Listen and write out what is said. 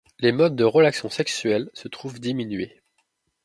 Les modes de relations sexuelles se trouvent diminuées.